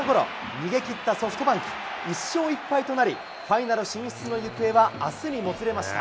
逃げ切ったソフトバンク。１勝１敗となり、ファイナル進出の行方はあすにもつれました。